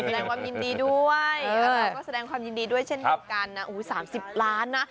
แสดงความยินดีด้วยเออแล้วก็แสดงความยินดีด้วยเช่นกับการนะอู๋สามสิบล้านนะ